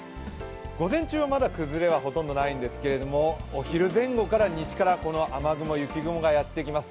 午前中はまだ崩れはほとんどないんですけれども、お昼前後から西からこの雨雲雪雲がやってきます。